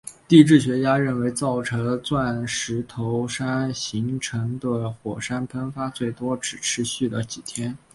地质学家认为造成钻石头山形成的火山喷发最多只持续了几天。